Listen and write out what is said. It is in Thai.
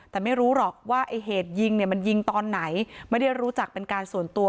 แต่ไม่รู้หรอกว่าไอ้เหตุยิงเนี่ยมันยิงตอนไหนไม่ได้รู้จักเป็นการส่วนตัว